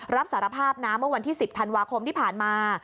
รับสารภาพนะเมื่อวันที่๑๐ธันวาคมที่ผ่านมา